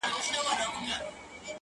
دا ټپه ورته ډالۍ كړو دواړه-